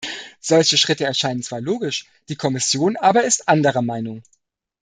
Solche Schritte erscheinen zwar logisch, die Kommission aber ist anderer Meinung.